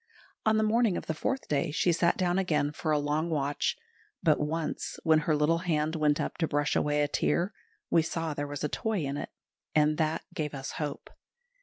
On the morning of the fourth day she sat down again for a long watch; but once when her little hand went up to brush away a tear, we saw there was a toy in it, and that gave us hope.